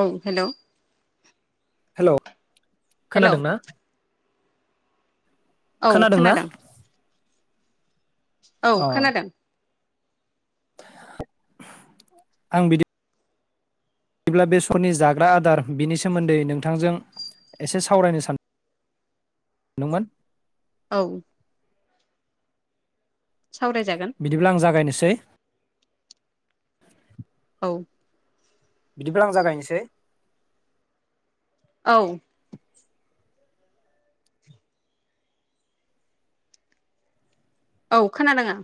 औ hello hello. Hello खोनादोंना? औ खोनादोंना? खोनादों औ अ खोनादों आं बिदि बिदिब्ला बेसरनि जाग्रा आदार बिनि सोमोन्दै नोंथांजों एसे सावरायनो सान दोंमोन। औ। सावरायजागोन बिदिब्ला आं जागायनोसै। औ बिदिब्ला आं जागायनोसै औ। औ खोनादों आं।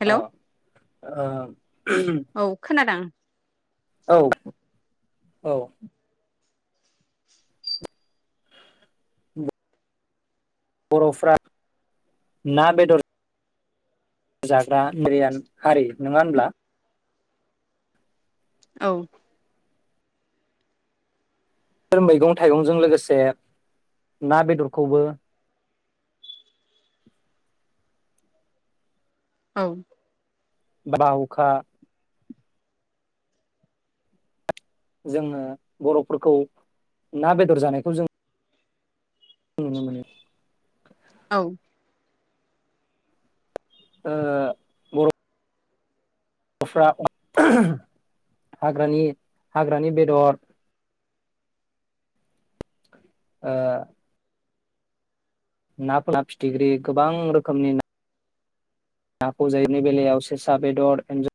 हेलौ ओ ओ औ खोनादों। औ [inaudible] औ। [unintelligible] बर'फोरा ना बेदर जाग्रा मिरियान हारि नङा होनब्ला? औ मैगं थाइगंजों लोगोसे ना बेदरखौबो औ बा हुखा जोङो बर'फोरखौ ना बेदर जानायखौ जों नुनो मोनो औ ओ, बर' फ्रा [unintelligible] हाग्रानि हाग्रानि बेदर ओ [unintelligible] फिथिख्रि गोबां रोखोमनि ना नाखौ जायैनि बेलायाव से सा बेदर एन्ज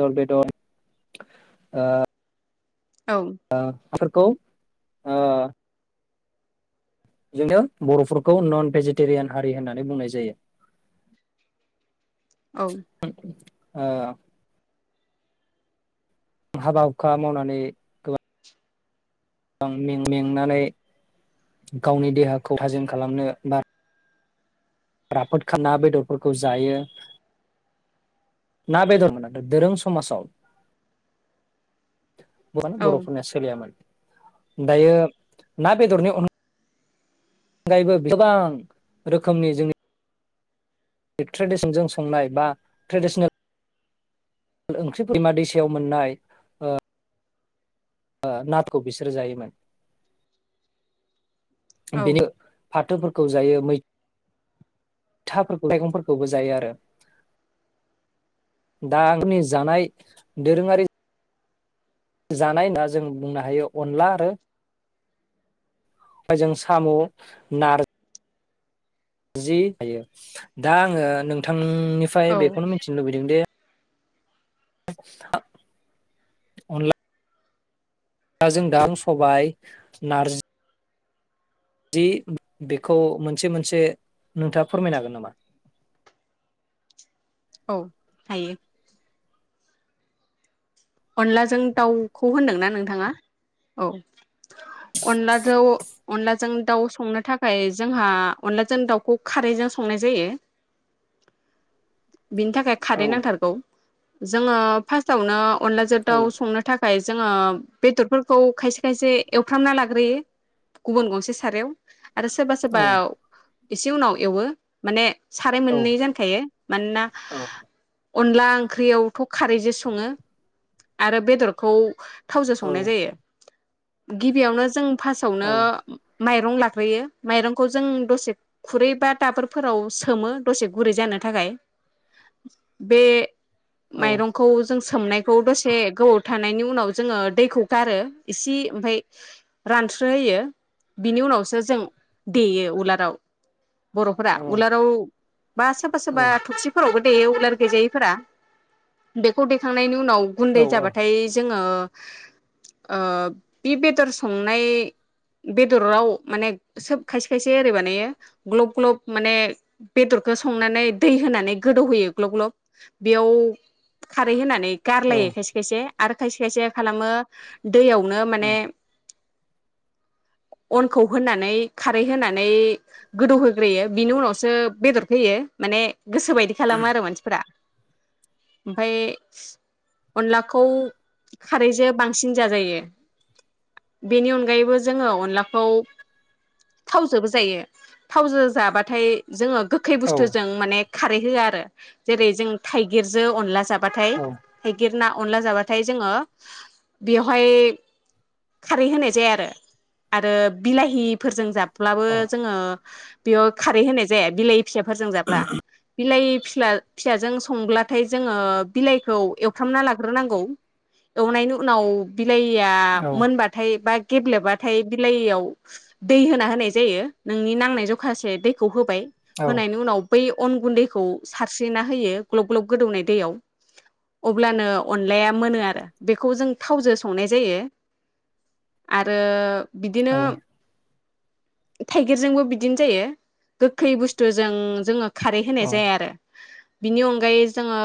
दल बेदर ओ औ ओ [unintelligible] ओ [unintelligible] बर'फोरखौ नन भेजिटेरियान हारि होननानै बुंनाय जायो। औ [unintelligible] ओ हाबा हुखा मावनानै गो गोबां में मेंनानै गावनि देहाखौ थामजि खालामनो बार राफोदखा ना बेदरफोरखौ जायो। ना बेदरमोन दोरों समाजाव [unintelligible] बर'फोरनिया सोलियामोन? दायो ना बेदरनि अन अनगायैबो गोबां रोखोमनि जोंनि ट्रेडिसनजों संनाय बा ट्रेडिसनेल ओंख्रि दैमा दैसायाव मोननाय ओ [unintelligible] खौ बिसोरो जायोमोन औ बेयो फाथोर खौ जायो मै था फोरखौलाय मैगंफोरखौबो जायो आरो दा आंनि जानाय दोरोङारि जानाय होनना जों बुंनो हायो अनला आरो ओमफ्राय जों साम' नार जि हायो, दा आङो नोंथां नों निफ्राय औ बेखौनो मिथिनो लुबैदों दे अनला [unintelligible] सबाय नार्जि जि बेखौ मोनसे मोनसे नोंथाङा फोरमायनो हागोन नामा? औ हायो। अनलाजों दाउखौ होनदोंना नोंथाङा औ अनलाजो अनलाजों दाउ संनो थाखाय जोंहा अनलाजों दाउखौ खारैजों संनाय जायो। बिनि थाखाय औ खारै नांथारगौ। जोङो फास्टावनो अनलाजो औ दाव संनो थाखाय जोङो बेदरफोरखौ खायसे खायसे एवफ्रामना लाग्रोयो गुबुन गंसे सारायाव। आरो सोरबा औ सोरबा एसे उनाव एवो माने साराय औ मोननै जानखायो मानोना औ अनला ओंख्रियावथ' खारैजो सङो। आरो बेदरखौ थावजों औ संनाय जायो। गिबियावनो जों फास्टआवनो औ माइरं लाग्रोयो माइरंखौ जों दसे खुरै बा दाबोरफोराव सोमो दसे गुरै जानो थाखाय बे औ माइरंखौ जों सोमनाय खौ दसे गोबाव थानायनि उनाव जोङो दैखौ गारो इसे ओमफ्राय रानस्रो होयो बिनि उनावसो जों देयो उलाराव। बर'फोरा उलाराव बा सोरबा सोरबा औ थबसिफोरावबो एवलार गैजायैफोरा बेखौ दैखांनायनि उनाव गुन्दै जाबाथाय जोङो ओ बे बेदर संनाय बेदराव माने सोब खायसे खायसे ओरै बानायो ग्लब ग्लब माने बेदरखौ संनानै दै होनानै गोदौहोयो ग्लब ग्लब बेयाव खारै होनानै गारलायो खायसे खायसे आरो खायसे खायसे खालामो दैयावनो माने अनखौ होनानै खारै होनानै गोदौहोग्रोयो बिनि उनावसो बेदरखौ होयो माने गोसो बायदि खालामो आरो मानसिफोरा ओमफाय अनलाखौ खारैजो बांसिन जाजायो बेनि अनगायैबो जोङो अनलाखौ थावजोबो जायो थावजो जाबाथाय जोङो गोखै औ बुस्थुजों माने खारै होआ आरो जेरै जों थाइगिरजों अनला जाब बाथाय औ गिर ना अनला जाबाथाय जोङो बेवहाय खारै होनाय जाया आरो, आरो बिलाहिफोरजों जाब ब्लाबो औ जोङो बेयाव खारै होनाय जाया बिलाइ फिसाफोरजों जाब्ला बिलाइ फिस्ला फिसाजों संब्लाथाय जोङो बिलाइखौ एवफ्रामना लाग्रोनांगौ एवनायनि उनाव बिलाहिआ औ मोनबाथाय बा गेब्लेबाथाय बिलाहियाव दै होना होनाय जायो नोंनि नांनाय जखासे दैखौ होब बाय होनायनि उनाव बै अनगुन्दैखौ सारस्रिना होयो ग्लब ग्लब गोदौनाय दैयाव। अब्लानो अनलाया मोनो आरो बेखौ जों थावजो संनाय जायो आरो बिदिनो थाइगिरजोंबो बिदिनो जायो गोखै बुस्थुजों जोङो। खारै होनाय जाया आरो बिनि अनगायै जोङो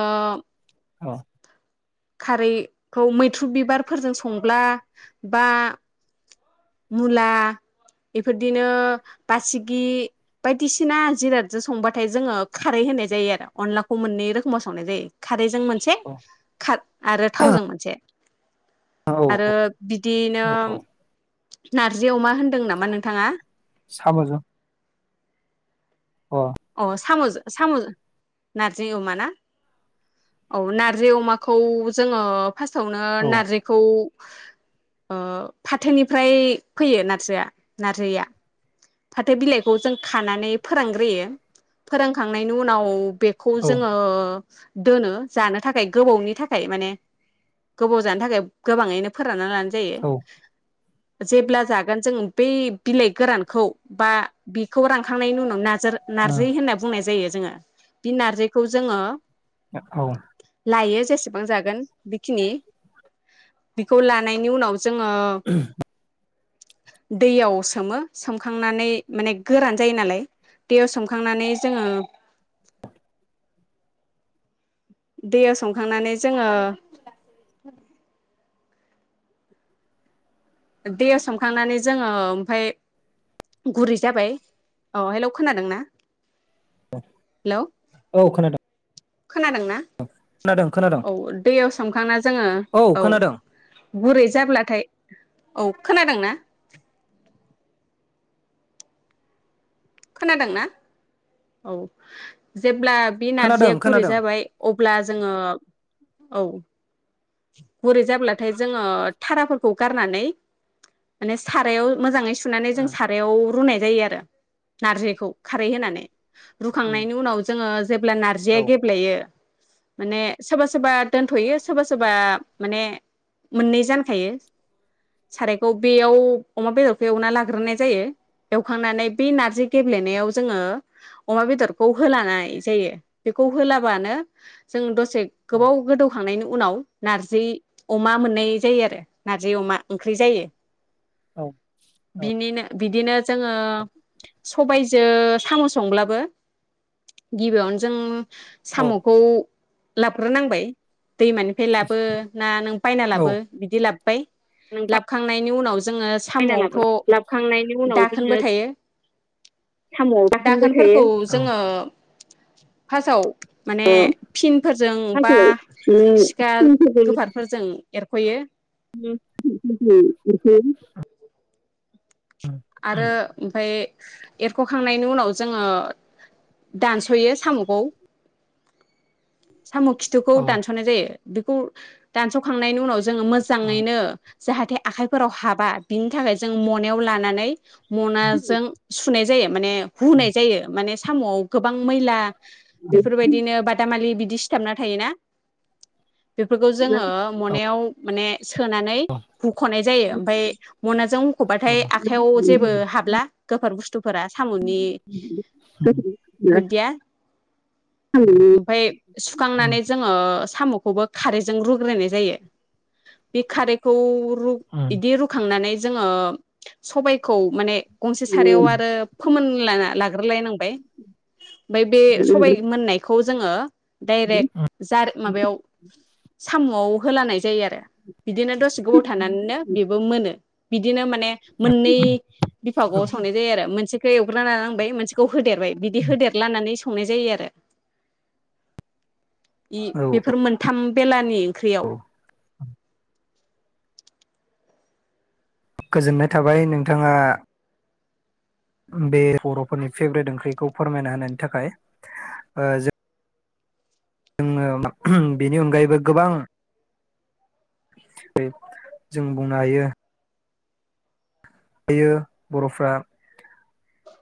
अ खारैखौ मैथ्रु बिबारफोरजों संब्ला बा मुला बेफोरदिनो बासिगि बायदिसिना जिरादजों संबाथाय जोङो खारै होनाय जायो आरो अनलाखौ मोननै रोखोमाव संनाय जायो खारैजों मोनसे खार आरो थावजों मोनसे औ आरो बिदियैनो औ नारजि अमा होनदों नामा नोंथाङा? साम'जों अ सामुजों साम नारजि अमा ना औ नारजि अमाखौ जोङो फार्स्टानो औ नारजिखौ ओ फाथोनिफ्राय फैयो नारजिया नारजैया फाथो बिलाइखौ जों खानानै फोरानग्रोयो। फोरानखांनायनि उनाव बेखौ जोङो दोनो जानो थाखाय गोबावनि थाखाय माने गोबाव जानो थाखाय गोबाङैनो फोरानना लानाय जायो औ जेब्ला जागोन जों बै बिलाइ गोरानखौ बा बिखौ रानखांनायनि उनाव नाजों उम नारजै होनना बुंनाय जायो जोङो बे नारजैखौ जोङो औ लायो जेसेबां जागोन बेखिनि बेखौ लानायनि उनाव जोङो दैयाव सोमो सोमखांनानै माने गोरान जायो नालाय दैयाव सोमखांनानै जोङो दैयाव संखांनानै जोङो दैयाव सोमखांनानै जोङो ओमफ्राय गुरै जाबाय औ हेल खोनादोंना? हेलौ औ खोनादों खोनादोंना? खोनादों खोनादों औ दैयाव सोमखांना जोंङो औ गुरै जाब्लाथाय औ खोनादोंना? खोनादोंना? औ जे ब्ला बे खोनादों नारजिया गुरै खोनादों जाबाय अब्ला जोंङो औ गुरै जाब्लाथाय जोंङो थाराफोरखौ गारनानै माने सारायाव मोजांङै सु सुनानै जों उम सारायाव रुनाय जायो आरो नारजिखौ खारै होनानै उम रुखांनायनि उनाव जोङो जेब्ला औ नारजिया गेब्लेयो माने सोरबा सोरबा दोनथ'यो सोरबास सोरबा माने मोननै जानखायो सारायखौ बेयाव अमा बेदरखौ एवना लाग्रोनाय जायो एवखांनानै बे नारजि गेब्लेनायाव जोङो अमा बेदरखौ होलानाय जायो। बेखौ होलाबानो जों द [unintelligible] गोबाव गोदौखांनायनि उनाव नारजि अमा मोननाय जायो आरो नारजि अमा ओंख्रि जायो। औ बिनिनो बिदिनो जोङो सबायजों साम' संब्लाबो गिबियावनो जों औ साम'खौ लाबग्रो नांबाय दैमा बे लाबो ना नों बायना नों लाबो बिदि लाबोबाय लाबोखांनायनि उनाव जोङो बायना लाबो साम'आवथ लाबोखांनायनि दाखोनबो थायो साम' आव दाखोनबो थायो औ फासाव माने फिनफोरजों बा सानसे सिखा गोफारफोरजों एरखयो [unintelligible] [unintelligible] आरो ओमफाय एरखखांनायनि उनाव जोङो दानसयो साम'खौ साम' खिथुखौ दानसनाय जायो बेखौ दान्स'खांनायनि उनावस जोङो मोजाङैनो जाहाथे आखाइ फोराव हाबा बिनि थाखाय जों मनायाव लानानै मनाजों सुनाय जायो माने हुनाय जायो माने साम'आव गोबां मैला बेफोरबायदिनो बादामालि बिदिस सिथाबना थायोना। बेफोरखौ जोङो मनायाव माने। सोनानै बुखनाय जायो ओमफ्राय मनाजों मुखबाथाय आखायाव जेबो हाबला गोफार बुस थुफोरा सामुनि माने बेफोरदिया ओमफाय उम सुखांनानै जोङो सामु अबबा खारैजों रुग्रोनाय जायो बे खारैखौ रु उम इदि रुखांनानै जोङो सबाय। खौ माने गंसे सारायाव उम आरो फोमोनलाना लायनांबाय ओमफ्राय बे सबाय मोननायखौ जोङो डाइरेक्ट जार माबायाव सामआव। होलानाय जायो आरो बिदिनो दसे गोबाव थानानैनो बेबो मोनो। बिदिनो माने मोनै बिफा गआव सावनाय जाया। मोनसेखौ एवग्रना लांबाय मोनसेखौ। होदेरबाय बिदि होदेरलानानै स संनाय जायो आरो औ बेफोर मोनथाम। बेलानि। ख्रियाव गोजोननाय थाबाय नोंथाङा बे बर'फोरनि फेभ्रेट ओंख्रिखौ फोरमायना होनायनि थाखाय जों जोङो बेनि अनगायैबो गोबां जों बुंनो हायो। जायो बर'फ्रा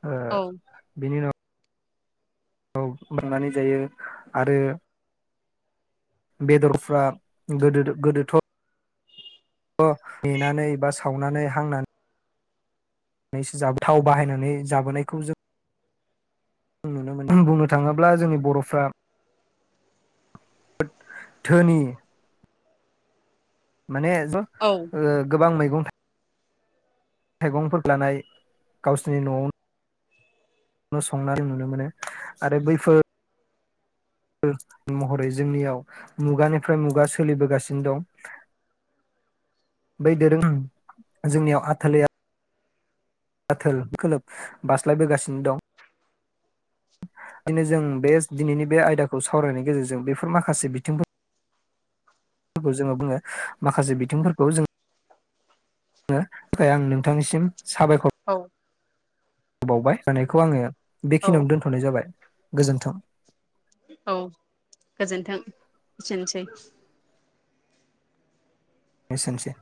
ओ औ औ फुदुंनानै जायो आरो बेदरफ्रा गोदो गोदोथ' मेनानै बा सावनानै हांना सो जाबोयो थाव बाहायनानै जाबोनायखौ जों नुनो मोनो बुंनो थाङोब्ला जोंनि बरफ्रा धोनि माने ज औ गोबां मैगं थ थाइगंफोर लानाय गावसोरनि न'आवनो संनानै नुनो मोनो आरो बैफोर ओ महरै जोंनियाव मुगानिफ्राय मुगा सोलिबोगासिनो दं बै दोरों जोंनियाव आथालै आ आथोल खोलोब बास्लायबोगासिनो दं। बिनो जों बे दिनैनि बे आयदाखौ सावरायनायनि गेजेरजों बेफोर माखासे बिथिंफोर जोङो बुङो माखासे बिथिंफोरखौ जों थाखाय आं नोंथांनिसिम साबायखर। औ होबावबाय होनायखौ आङो औ बेखिनियावनो दोनथ'नाय जाबाय। गोजोन्थों। औ गोजोनथों एसेनोसै। एसेनोसै।